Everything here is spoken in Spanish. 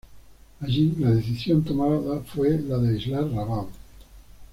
Allí, la decisión tomada fue la de aislar Rabaul.